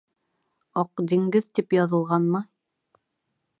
Аҡ диңгеҙ тип яҙылғанмы?